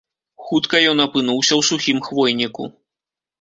Хутка ён апынуўся ў сухім хвойніку.